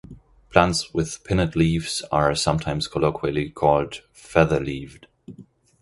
Plants with pinnate leaves are sometimes colloquially called "feather-leaved".